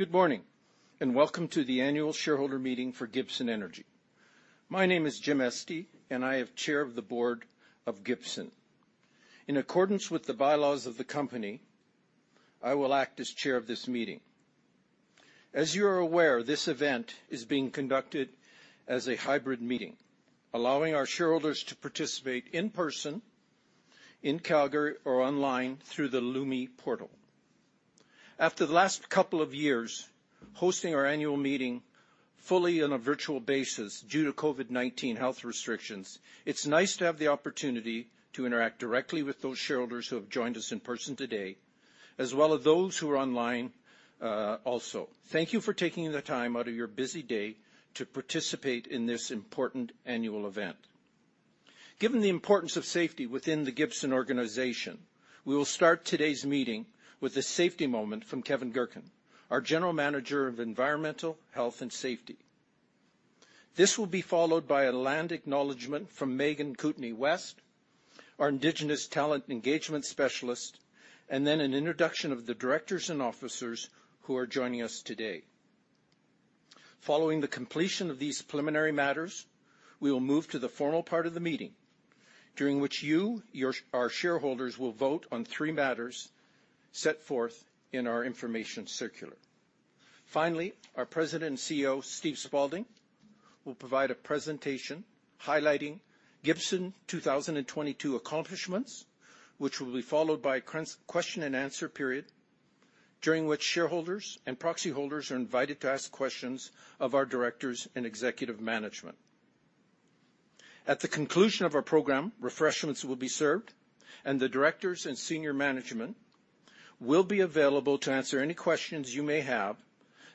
Good morning. Welcome to the Annual Shareholder Meeting for Gibson Energy. My name is Jim Estey, and I am Chair of the Board of Gibson. In accordance with the bylaws of the company, I will act as chair of this meeting. As you're aware, this event is being conducted as a hybrid meeting, allowing our shareholders to participate in person, in Calgary or online through the Lumi portal. After the last couple of years, hosting our annual meeting fully on a virtual basis due to COVID-19 health restrictions, it's nice to have the opportunity to interact directly with those shareholders who have joined us in person today, as well as those who are online also. Thank you for taking the time out of your busy day to participate in this important annual event. Given the importance of safety within the Gibson Organization, we will start today's meeting with a safety moment from Kevin Gertken our General Manager of Environmental, Health and Safety. This will be followed by a land acknowledgement from Megan Kootenay West, our Indigenous Talent Engagement Specialist, and then an introduction of the directors and officers who are joining us today. Following the completion of these preliminary matters, we will move to the formal part of the meeting during which you, our shareholders, will vote on three matters set forth in our information circular. Finally, our President and CEO, Steve Spaulding, will provide a presentation highlighting Gibson 2022 accomplishments, which will be followed by a Q&A period during which shareholders and proxy holders are invited to ask questions of our Directors and Executive Management. At the conclusion of our program, refreshments will be served and the Directors and senior management will be available to answer any questions you may have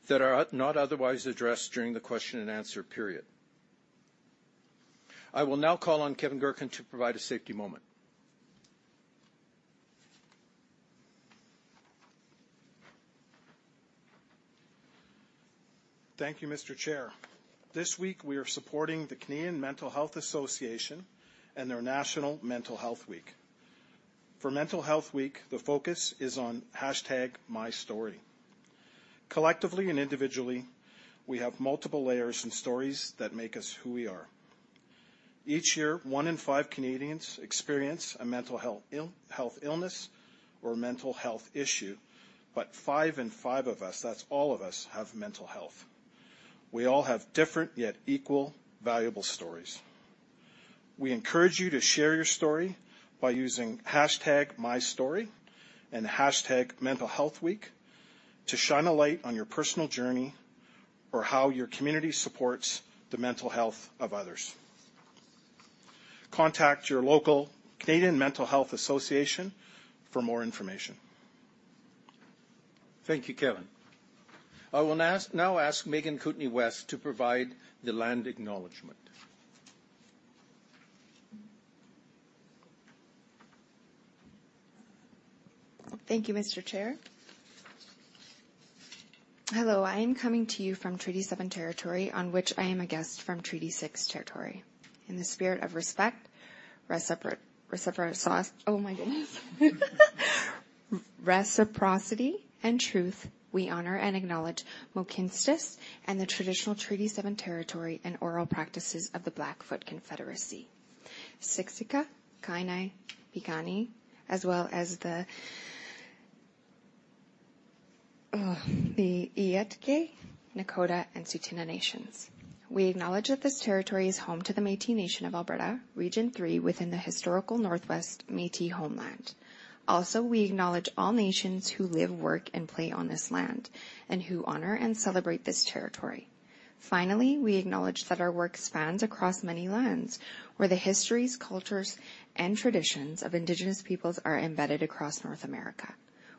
that are not otherwise addressed during the question and answer period. I will now call uopn Kevin to provide a safety moment. Thank you, Mr. Chair. This week, we are supporting the Canadian Mental Health Association and their National Mental Health Week. For Mental Health Week, the focus is on hashtag My Story. Collectively and individually, we have multiple layers and stories that make us who we are. Each year, one in five Canadians experience a mental health ill-health illness or mental health issue, but five in five of us, that's all of us, have mental health. We all have different yet equal valuable stories. We encourage you to share your story by using hashtag My Story and hashtag Mental Health Week to shine a light on your personal journey or how your community supports the mental health of others. Contact your local Canadian Mental Health Association for more information. Thank you, Kevin. I will now ask Megan Kootenay West to provide the land acknowledgment. Thank you, Mr. Chair. Hello, I am coming to you from Treaty 7 territory on which I am a guest from Treaty Six territory. In the spirit of respect, Reciprocity and truth, we honor and acknowledge Moh’kinstsis and the traditional Treaty 7 territory and oral practices of the Blackfoot confederacy. Siksika,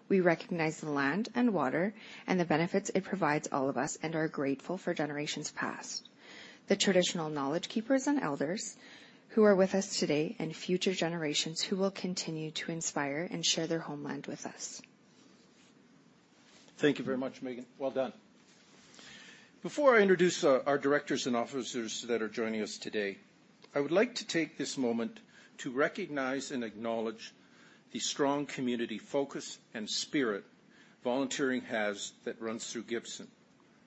We recognize the land and water and the benefits it provides all of us and are grateful for generations past. The traditional Knowledge Keepers and Elders who are with us today and future generations who will continue to inspire and share their homeland with us. Thank you very much, Meghan. Well done. Before I introduce our directors and officers that are joining us today, I would like to take this moment to recognize and acknowledge the strong community focus and spirit volunteering has that runs through Gibson.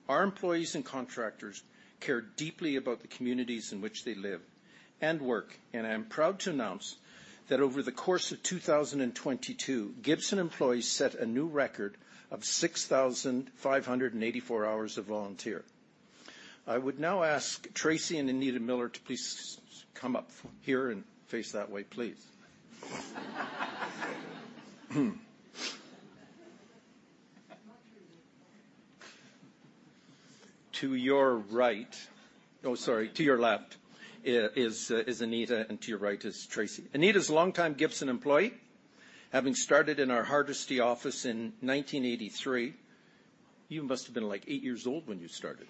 Our employees and contractors care deeply about the communities in which they live and work. I am proud to announce that over the course of 2022, Gibson employees set a new record of 6,584 hours of volunteer. I would now ask Tracy and Anita Miller to please come up here and face that way, please. Oh, sorry. To your left is Anita, to your right is Tracy. Anita is a longtime Gibson employee, having started in our Hardisty office in 1983. You must have been, like, eight years old when you started.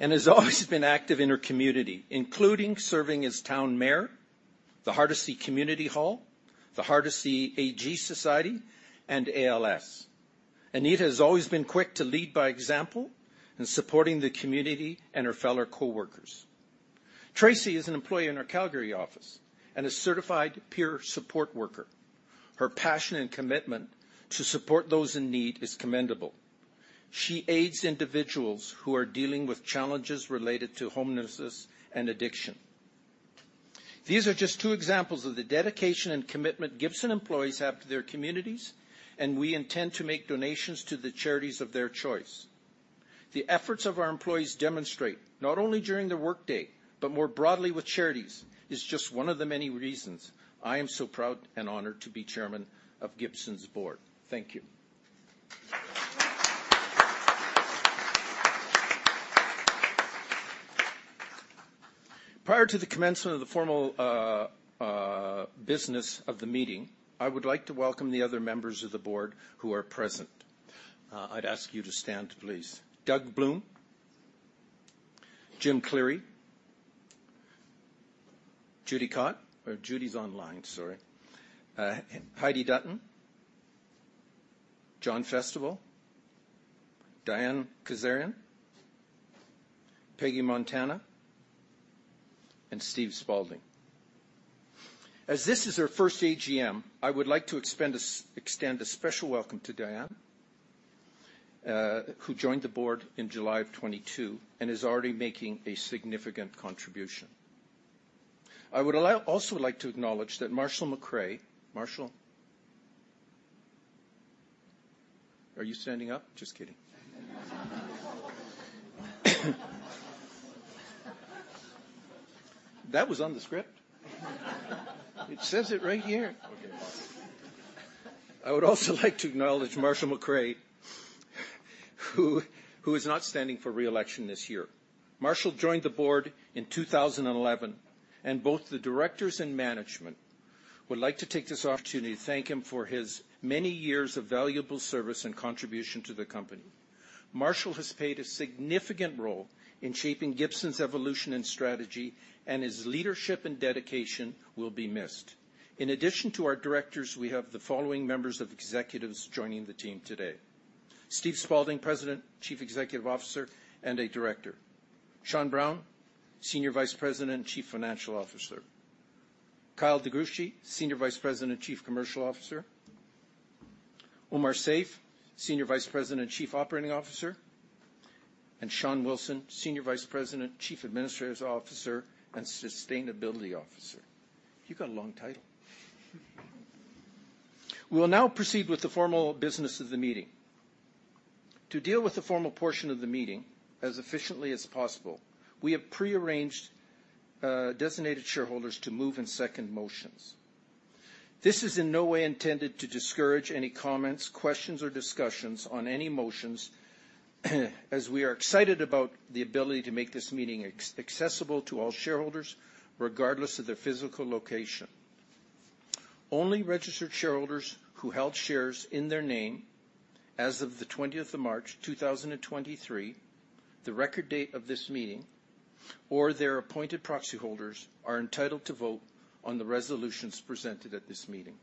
Has always been active in her community, including serving as town mayor, the Hardisty Community Hall, the Hardisty Ag Society, and ALS. Anita has always been quick to lead by example in supporting the community and her fellow coworkers. Tracy is an employee in our Calgary office and a certified peer support worker. Her passion and commitment to support those in need is commendable. She aids individuals who are dealing with challenges related to homelessness and addiction. These are just two examples of the dedication and commitment Gibson employees have to their communities, and we intend to make donations to the charities of their choice. The efforts of our employees demonstrate, not only during their workday, but more broadly with charities, is just one of the many reasons I am so proud and honored to be chairman of Gibson's Board. Thank you. Prior to the commencement of the formal business of the meeting, I would like to welcome the other members of the board who are present. I'd ask you to stand, please. Doug Bloom, Jim Cleary, Judy Cotte. Judy's online, sorry. Heidi Dutton, John Festival, Diane Kazarian, Peggy Montana, and Steve Spaulding. As this is our first AGM, I would like to extend a special welcome to Diane Kazarian, who joined the board in July of 22 and is already making a significant contribution. I would also like to acknowledge that Marshall McRae... Marshall? Are you standing up? Just kidding. That was on the script. It says it right here. I would also like to acknowledge Marshall McRae, who is not standing for re-election this year. Marshall joined the board in 2011. Both the directors and management would like to take this opportunity to thank him for his many years of valuable service and contribution to the company. Marshall has played a significant role in shaping Gibson's evolution and strategy. His leadership and dedication will be missed. In addition to our directors, we have the following members of executives joining the team today: Steve Spaulding, President, Chief Executive Officer, and a Director. Sean Brown, Senior Vice President and Chief Financial Officer. Kyle DeGruchy, Senior Vice President and Chief Commercial Officer. Omar Saif, Senior Vice President and Chief Operating Officer, and Sean Wilson, Senior Vice President, Chief Administrative Officer, and Sustainability Officer. You got a long title. We will now proceed with the formal business of the meeting. To deal with the formal portion of the meeting as efficiently as possible, we have prearranged designated shareholders to move and second motions. This is in no way intended to discourage any comments, questions, or discussions on any motions, as we are excited about the ability to make this meeting accessible to all shareholders, regardless of their physical location. Only registered shareholders who held shares in their name as of the 20th of March, 2023, the record date of this meeting, or their appointed proxy holders are entitled to vote on the resolutions presented at this meeting.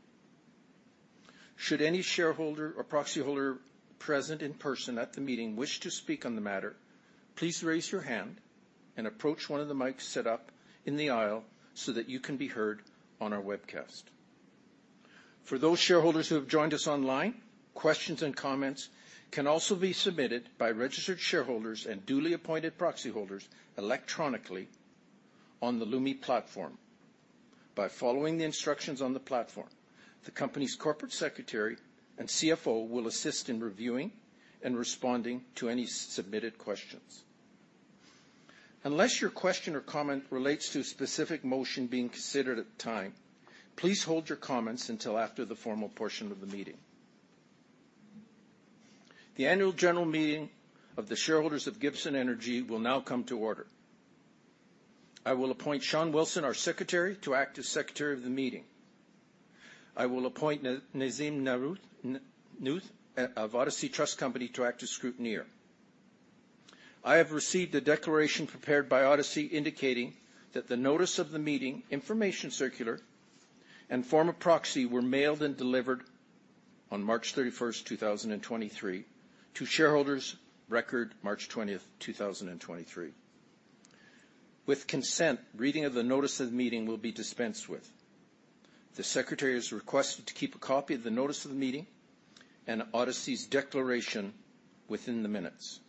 Should any shareholder or proxy holder present in person at the meeting wish to speak on the matter, please raise your hand and approach one of the mics set up in the aisle so that you can be heard on our webcast. For those shareholders who have joined us online, questions and comments can also be submitted by registered shareholders and duly appointed proxy holders electronically on the Lumi platform. By following the instructions on the platform, the company's corporate secretary and CFO will assist in reviewing and responding to any submitted questions. Unless your question or comment relates to a specific motion being considered at the time, please hold your comments until after the formal portion of the meeting. The annual general meeting of the shareholders of Gibson Energy will now come to order. I will appoint Sean Wilson, our secretary, to act as secretary of the meeting. I will appoint Nazim Nathoo of Odyssey Trust Company to act as scrutineer. I have received a declaration prepared by Odyssey indicating that the notice of the meeting, information circular, and form of proxy were mailed and delivered on March 31st, 2023 to shareholders record March 20th, 2023. With consent, reading of the notice of the meeting will be dispensed with. The secretary is requested to keep a copy of the notice of the meeting and Odyssey's declaration within the minutes.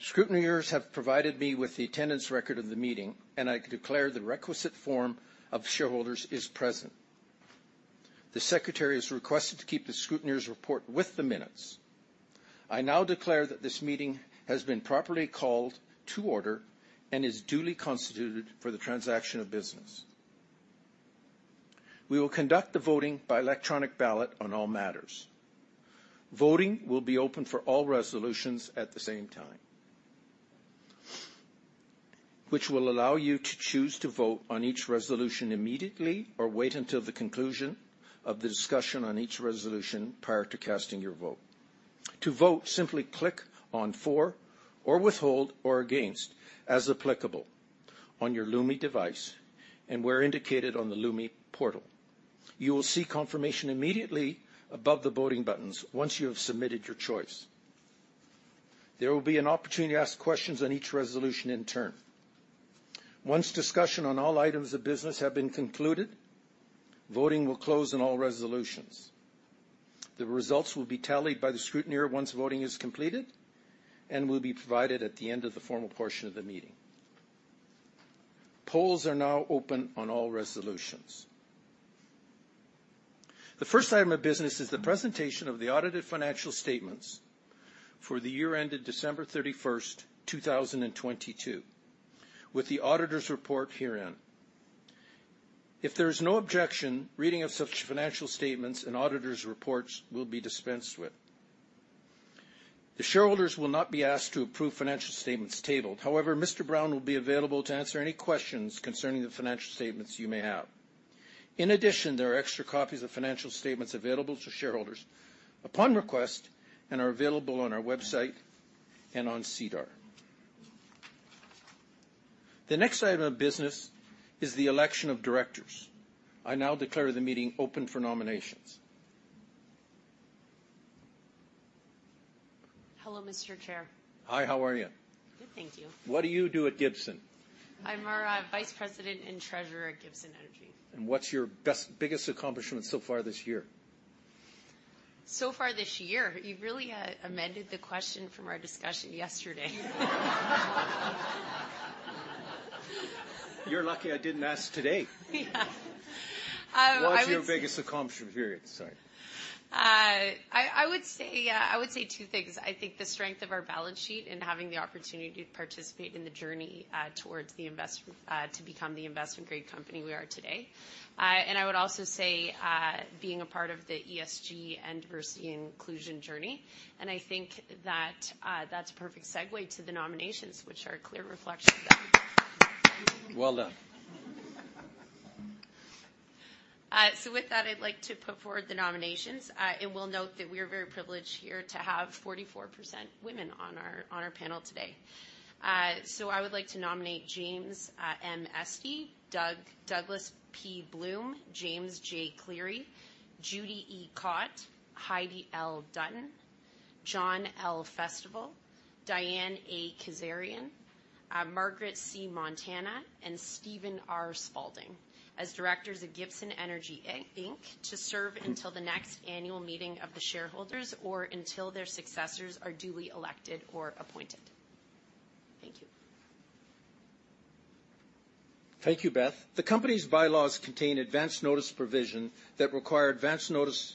Scrutineers have provided me with the attendance record of the meeting, and I declare the requisite form of shareholders is present. The secretary is requested to keep the scrutineer's report with the minutes. I now declare that this meeting has been properly called to order and is duly constituted for the transaction of business. We will conduct the voting by electronic ballot on all matters. Voting will be open for all resolutions at the same time, which will allow you to choose to vote on each resolution immediately or wait until the conclusion of the discussion on each resolution prior to casting your vote. To vote, simply click on four or withhold or against, as applicable, on your Lumi device and where indicated on the Lumi portal. You will see confirmation immediately above the voting buttons once you have submitted your choice. There will be an opportunity to ask questions on each resolution in turn. Once discussion on all items of business have been concluded, voting will close on all resolutions. The results will be tallied by the scrutineer once voting is completed, and will be provided at the end of the formal portion of the meeting. Polls are now open on all resolutions. The first item of business is the presentation of the audited financial statements for the year ended December 31st, 2022, with the auditor's report herein. If there is no objection, reading of such financial statements and auditor's reports will be dispensed with. The shareholders will not be asked to approve financial statements tabled. However, Mr. Brown will be available to answer any questions concerning the financial statements you may have. In addition, there are extra copies of financial statements available to shareholders upon request, and are available on our website and on SEDAR. The next item of business is the election of directors. I now declare the meeting open for nominations. Hello, Mr. Chair. Hi, how are you? Good, thank you. What do you do at Gibson? I'm our, Vice President and treasurer at Gibson Energy. What's your best, biggest accomplishment so far this year? So far this year? You really amended the question from our discussion yesterday. You're lucky I didn't ask today. Yeah. What's your biggest accomplishment period? Sorry. I would say two things. I think the strength of our balance sheet and having the opportunity to participate in the journey to become the investment-grade company we are today. I would also say being a part of the ESG and diversity and inclusion journey. I think that's a perfect segue to the nominations, which are a clear reflection of that. Well done. So with that, I'd like to put forward the nominations. And we'll note that we are very privileged here to have 44% women on our, on our panel today. So I would like to nominate James M. Estey, Douglas P. Bloom, James J. Cleary, Judy E. Cotte, Heidi L. Dutton, John L. Festival, Diane A. Kazarian, Margaret C. Montana, and Steven R. Spaulding as directors of Gibson Energy Inc. to serve until the next annual meeting of the shareholders or until their successors are duly elected or appointed. Thank you. Thank you, Beth. The company's bylaws contain advanced notice provision that require advanced notice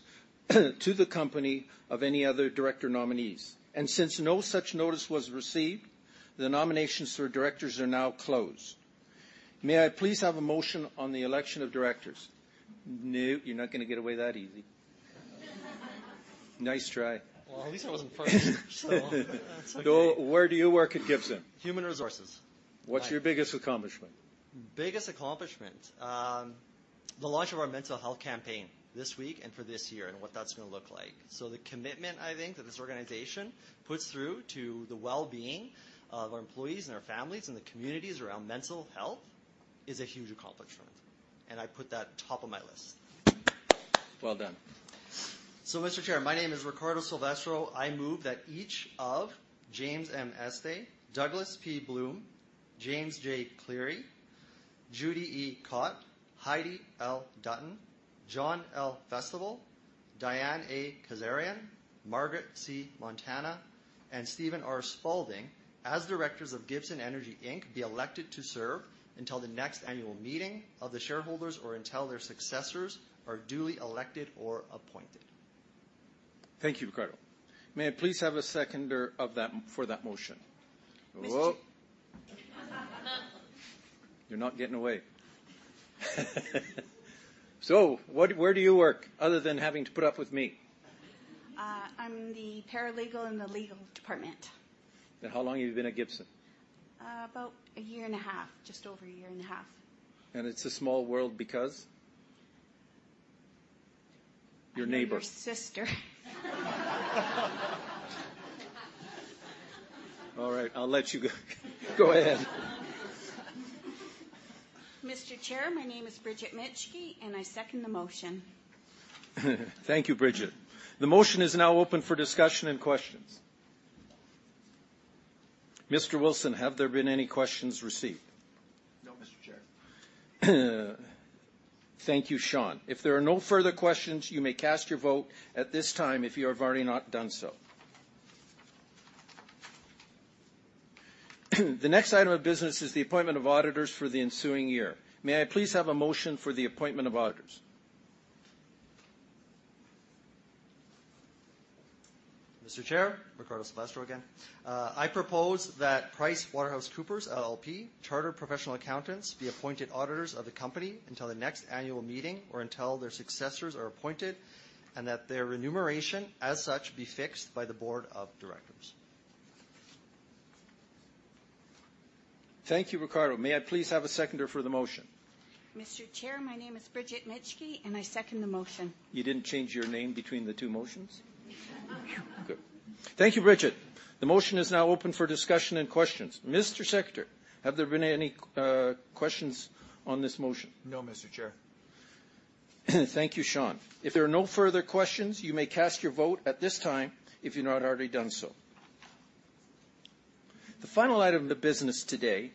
to the company of any other director nominees. Since no such notice was received, the nominations for directors are now closed. May I please have a motion on the election of directors? No, you're not gonna get away that easy. Nice try. Well, at least I wasn't first. It's okay. Where do you work at Gibson? Human Resources. What's your biggest accomplishment? Biggest accomplishment, the launch of our Mental Health Campaign this week and for this year and what that's gonna look like. The commitment, I think, that this organization puts through to the well-being of our employees and our families and the communities around mental health is a huge accomplishment, and I put that top of my list. Well done. Mr. Chair, my name is Riccardo Silvestro. I move that each of James M. Estey, Douglas P. Bloom, James J. Cleary, Judy E. Cotte, Heidi L. Dutton, John L. Festival, Diane A. Kazarian, Margaret C. Montana, and Steven R. Spaulding as directors of Gibson Energy Inc, be elected to serve until the next annual meeting of the shareholders or until their successors are duly elected or appointed. Thank you, Riccardo. May I please have a seconder for that motion? Oh. Mitschke. You're not getting away. Where do you work other than having to put up with me? I'm the paralegal in the legal department. How long have you been at Gibson? About a year and a half, just over a year and a half. It's a small world because? You're neighbors. I'm her sister. All right, I'll let you go ahead. Mr. Chair, my name is Brigitte Mitschke, and I second the motion. Thank you, Brigitte. The motion is now open for discussion and questions. Mr. Wilson, have there been any questions received? No, Mr. Chair. Thank you, Sean. If there are no further questions, you may cast your vote at this time if you have already not done so. The next item of business is the appointment of auditors for the ensuing year. May I please have a motion for the appointment of auditors? Mr. Chair, Riccardo Silvestro again. I propose that PricewaterhouseCoopers LLP, chartered professional accountants, be appointed auditors of the company until the next annual meeting or until their successors are appointed, and that their remuneration as such be fixed by the board of directors. Thank you, Riccardo. May I please have a seconder for the motion? Mr. Chair, my name is Brigitte Mitschke, and I second the motion. You didn't change your name between the two motions? Good. Thank you, Brigitte. The motion is now open for discussion and questions. Mr. Secretary, have there been any questions on this motion? No, Mr. Chair. Thank you, Sean. If there are no further questions, you may cast your vote at this time if you've not already done so. The final item of the business today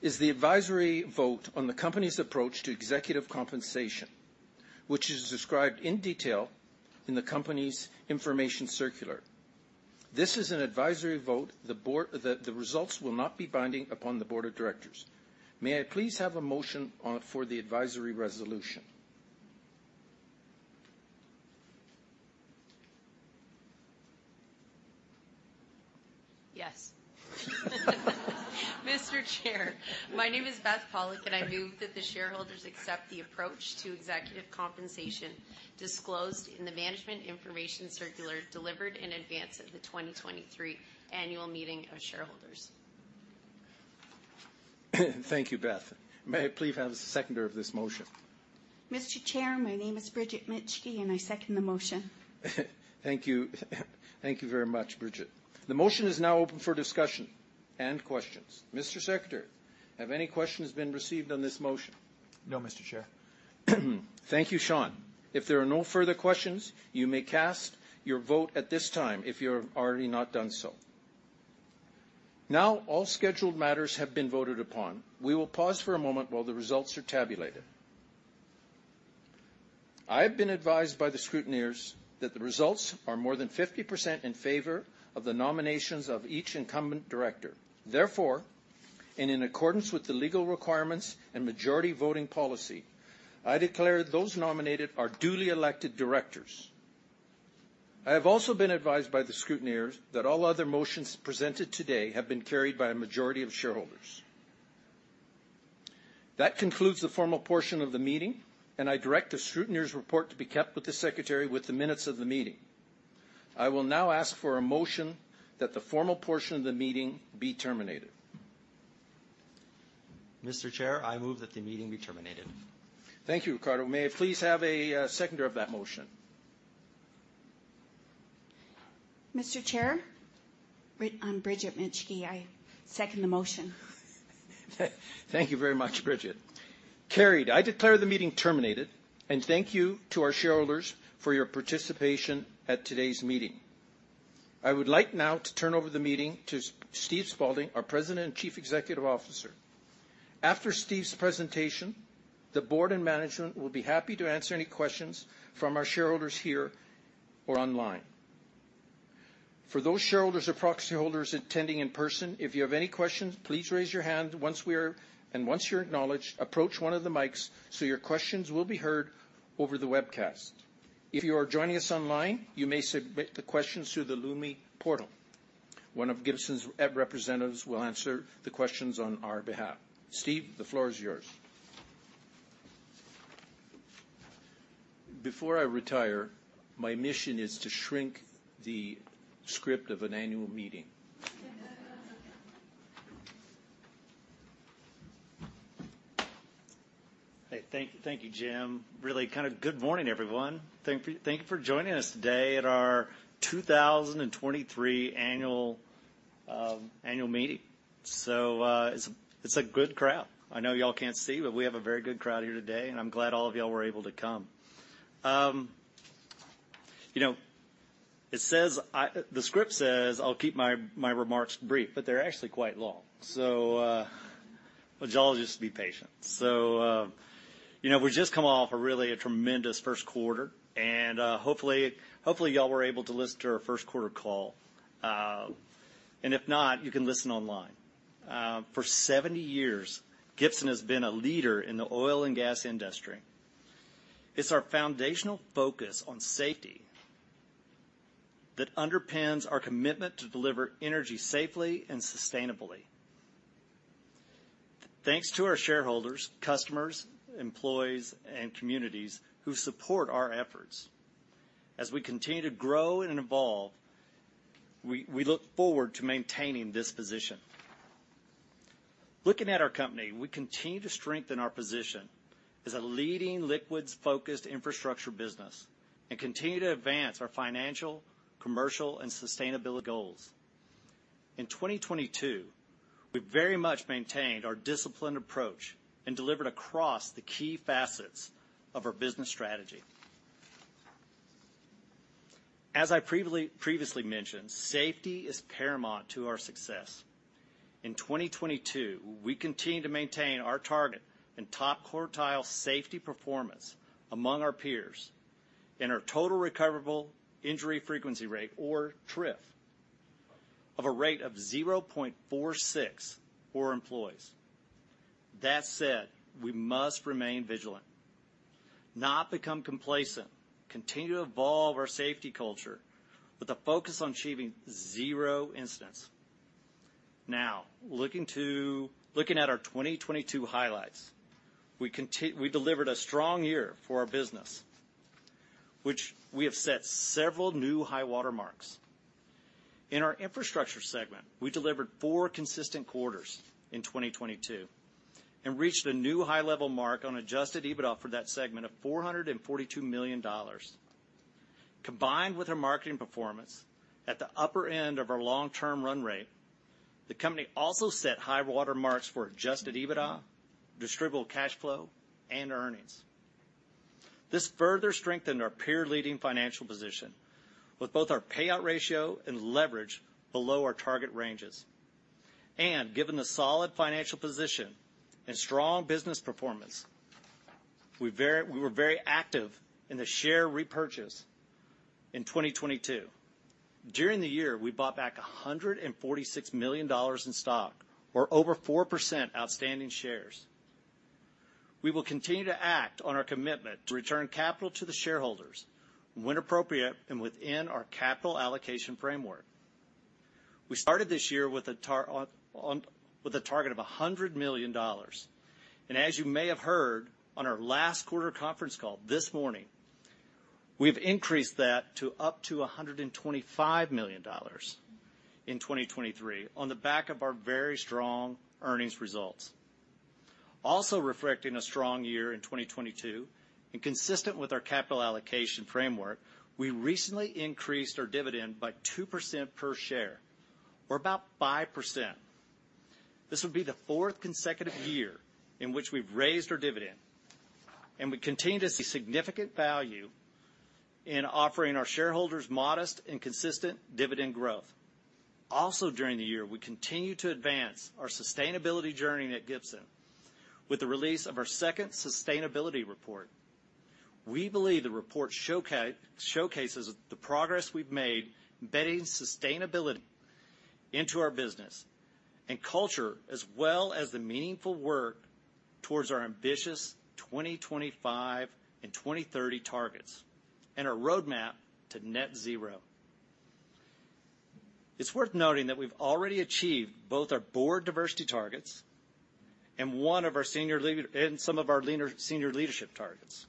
is the advisory vote on the company's approach to executive compensation, which is described in detail in the company's information circular. This is an advisory vote. The results will not be binding upon the Board of Directors. May I please have a motion for the advisory resolution? Yes. Mr. Chair, my name is Beth Pollock, I move that the shareholders accept the approach to executive compensation disclosed in the management information circular delivered in advance of the 2023 Annual Meeting of Shareholders. Thank you, Beth. May I please have a seconder of this motion? Mr. Chair, my name is Brigitte Mitschke, and I second the motion. Thank you. Thank you very much, Brigitte. The motion is now open for discussion and questions. Mr. Secretary, have any questions been received on this motion? No, Mr. Chair. Thank you, Sean. If there are no further questions, you may cast your vote at this time if you're already not done so. Now all scheduled matters have been voted upon. We will pause for a moment while the results are tabulated. I have been advised by the scrutineers that the results are more than 50% in favor of the nominations of each incumbent director. Therefore, and in accordance with the legal requirements and majority voting policy, I declare those nominated are duly elected directors. I have also been advised by the scrutineers that all other motions presented today have been carried by a majority of shareholders. That concludes the formal portion of the meeting, and I direct the scrutineers report to be kept with the secretary with the minutes of the meeting. I will now ask for a motion that the formal portion of the meeting be terminated. Mr. Chair, I move that the meeting be terminated. Thank you, Riccardo. May I please have a seconder of that motion? Mr. Chair, I'm Brigitte Mitschke. I second the motion. Thank you very much, Brigitte. Carried. I declare the meeting terminated. Thank you to our shareholders for your participation at today's meeting. I would like now to turn over the meeting to Steven Spaulding, our President and Chief Executive Officer. After Steve's presentation, the Board and Management will be happy to answer any questions from our shareholders here or online. For those shareholders or proxy holders attending in person, if you have any questions, please raise your hand once you're acknowledged, approach one of the mics so your questions will be heard over the webcast. If you are joining us online, you may submit the questions through the Lumi portal. One of Gibson's rep representatives will answer the questions on our behalf. Steve, the floor is yours. Before I retire, my mission is to shrink the script of an annual meeting. Hey, thank you, Jim. Really kind of good morning, everyone. Thank you for joining us today at our 2023 annual meeting. It's a good crowd. I know y'all can't see, but we have a very good crowd here today, and I'm glad all of y'all were able to come. You know, the script says I'll keep my remarks brief, but they're actually quite long. Y'all just be patient. You know, we've just come off a really a tremendous first quarter, and hopefully y'all were able to listen to our first quarter call. If not, you can listen online. For 70 years, Gibson has been a leader in the oil and gas industry. It's our foundational focus on safety that underpins our commitment to deliver energy safely and sustainably. Thanks to our shareholders, customers, employees, and communities who support our efforts. As we continue to grow and evolve, we look forward to maintaining this position. Looking at our company, we continue to strengthen our position as a leading liquids-focused infrastructure business and continue to advance our financial, commercial, and sustainability goals. In 2022, we very much maintained our disciplined approach and delivered across the key facets of our business strategy. As I previously mentioned, safety is paramount to our success. In 2022, we continued to maintain our target in top quartile safety performance among our peers and our Total Recordable Injury Frequency rate or TRIF of a rate of 0.46 for employees. That said, we must remain vigilant, not become complacent, continue to evolve our safety culture with a focus on achieving zero incidents. Now, looking at our 2022 highlights, We delivered a strong year for our business, which we have set several new high water marks. In our infrastructure segment, we delivered four consistent quarters in 2022 and reached a new high level mark on Adjusted EBITDA for that segment of $442 million. Combined with our marketing performance at the upper end of our long-term run rate, the company also set high water marks for Adjusted EBITDA, distributable cash flow, and earnings. This further strengthened our peer-leading financial position with both our payout ratio and leverage below our target ranges. Given the solid financial position and strong business performance, we were very active in the share repurchase in 2022. During the year, we bought back $146 million in stock, or over 4% outstanding shares. We will continue to act on our commitment to return capital to the shareholders when appropriate and within our capital allocation framework. We started this year with a target of $100 million. As you may have heard on our last quarter conference call this morning, we've increased that to up to $125 million in 2023 on the back of our very strong earnings results. Also reflecting a strong year in 2022 and consistent with our capital allocation framework, we recently increased our dividend by 2% per share, or about 5%. This will be the fourth consecutive year in which we've raised our dividend. We continue to see significant value in offering our shareholders modest and consistent dividend growth. Also during the year, we continued to advance our sustainability journey at Gibson with the release of our second sustainability report. We believe the report showcases the progress we've made embedding sustainability into our business and culture, as well as the meaningful work towards our ambitious 2025 and 2030 targets and our roadmap to Net Zero. It's worth noting that we've already achieved both our board diversity targets and one of our senior leadership targets.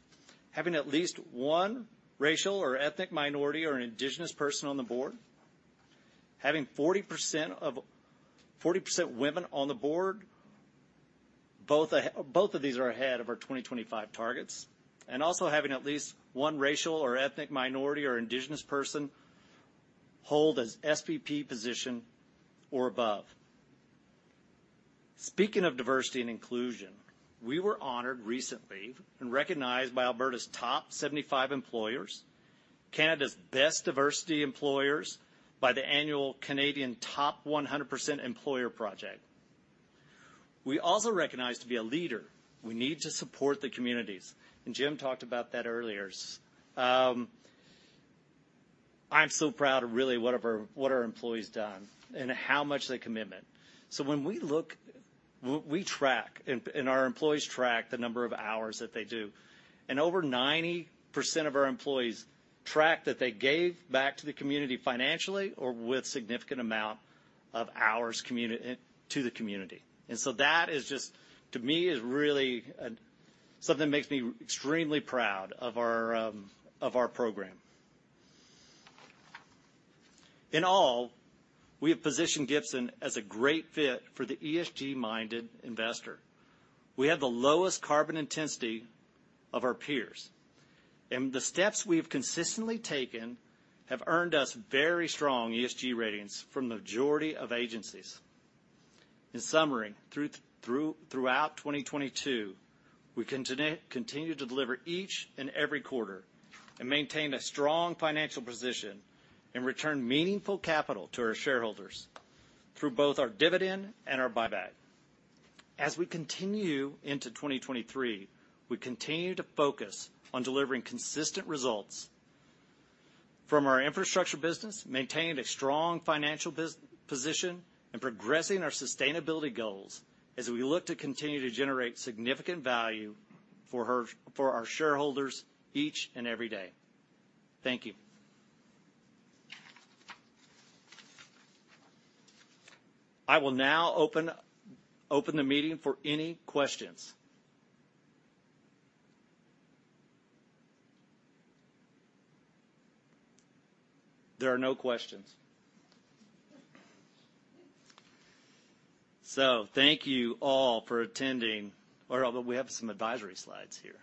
Having at least one racial or ethnic minority or an indigenous person on the board, having 40% women on the board, both of these are ahead of our 2025 targets, also having at least one racial or ethnic minority or indigenous person hold an SVP position or above. Speaking of diversity and inclusion, we were honored recently and recognized by Alberta's top 75 employers, Canada's best diversity employers by the annual Canadian Top 100% Employers project. We also recognize to be a leader, we need to support the communities. Jim talked about that earlier. I'm so proud of really what our, what our employees done and how much their commitment. When we look. We track and our employees track the number of hours that they do. Over 90% of our employees track that they gave back to the community financially or with significant amount of hours to the community. That is just, to me, is really something that makes me extremely proud of our of our program. In all, we have positioned Gibson Energy as a great fit for the ESG-minded investor. We have the lowest carbon intensity of our peers, and the steps we have consistently taken have earned us very strong ESG ratings from the majority of agencies. In summary, throughout 2022, we continue to deliver each and every quarter and maintain a strong financial position and return meaningful capital to our shareholders through both our dividend and our buyback. As we continue into 2023, we continue to focus on delivering consistent results from our infrastructure business, maintaining a strong financial position, and progressing our sustainability goals as we look to continue to generate significant value for our shareholders each and every day. Thank you. I will now open the meeting for any questions. There are no questions. Thank you all for attending. We have some advisory slides here.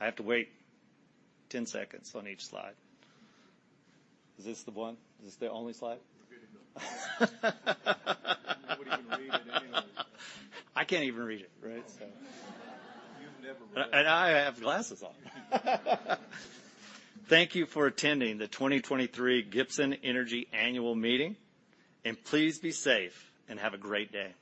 I have to wait 10 seconds on each slide. Is this the one? Is this the only slide? Good to know. Nobody can read it anyway. I can't even read it, right? You've never been able to. I have glasses on. Thank you for attending the 2023 Gibson Energy Annual Meeting, please be safe and have a great day.